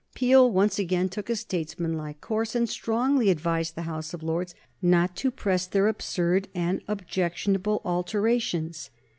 Peel once again took a statesmanlike course, and strongly advised the House of Lords not to press their absurd and objectionable alterations.